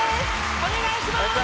お願いします。